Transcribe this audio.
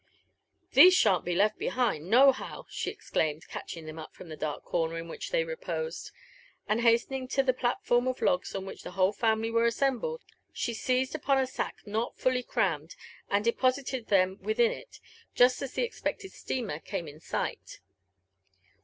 '' These shan't be left behind, nohow," she exclaimed, catching them up from the dark corner in which they reposed; and hastening to the platform of logs on which the whole family were assembled, she seized upon a sack not fully crammed, and deposited them within it, just as the expected steamer came in sight.